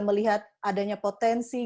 melihat adanya potensi